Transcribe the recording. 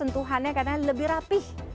tuhannya karena lebih rapih